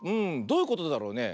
どういうことだろうね。